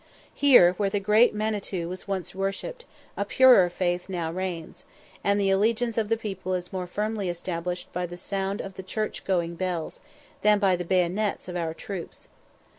Here, where the great Manitou was once worshipped, a purer faith now reigns, and the allegiance of the people is more firmly established by "the sound of the church going bells" than by the bayonets of our troops.